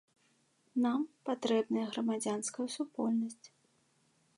Нам патрэбная грамадзянская супольнасць.